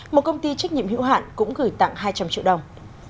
một công ty trách nhiệm hữu hạn cũng gửi tặng hai trăm linh triệu đồng